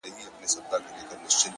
يې ياره شرموه مي مه ته هرڅه لرې ياره’